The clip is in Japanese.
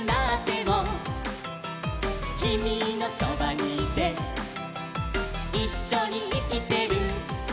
「きみのそばにいていっしょにいきてる」